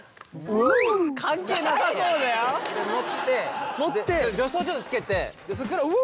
ウ！関係なさそうだよ。持って助走ちょっとつけてそれからウ。